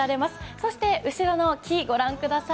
そして後ろの木御覧ください。